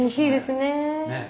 ねえ。